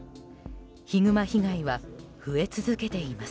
ヒグマ被害は増え続けています。